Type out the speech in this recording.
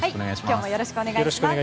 よろしくお願いします。